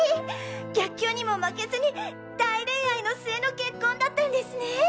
逆境にも負けずに大恋愛の末の結婚だったんですね！